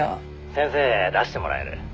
「先生出してもらえる？」